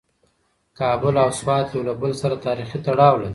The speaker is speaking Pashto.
کابل او سوات یو له بل سره تاریخي تړاو لري.